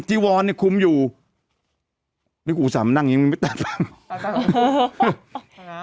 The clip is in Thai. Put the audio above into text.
จีวอนเนี้ยคุมอยู่นี่กูอุตส่าห์มานั่งอย่างงี้มันไม่ตัดปั๊บ